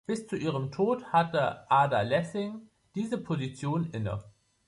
Bis zu ihrem Tod hatte Ada Lessing diese Position inne.